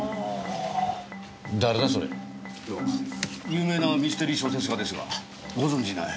有名なミステリー小説家ですがご存じない？